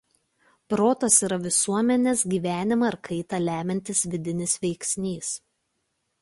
Protas yra visuomenės gyvenimą ir kaitą lemiantis vidinis veiksnys.